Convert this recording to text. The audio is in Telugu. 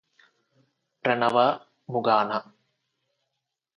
ప్రణవముగాను